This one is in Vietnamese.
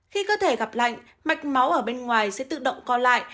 khi cơ thể gặp lạnh mạch máu ở bên ngoài sẽ tự động co lại